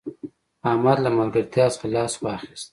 احمد له ملګرتیا څخه لاس واخيست